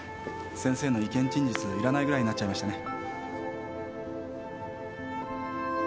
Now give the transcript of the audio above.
先生の意見陳述いらないぐらいになっちゃいましたね。